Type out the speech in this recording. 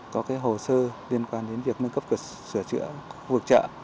có hồ sơ liên quan đến việc nâng cấp sửa chữa vượt chợ